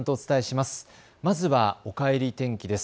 まずはおかえり天気です。